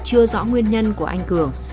chưa rõ nguyên nhân của anh cường